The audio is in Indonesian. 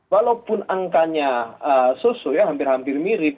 walaupun angkanya sosial hampir hampir mirip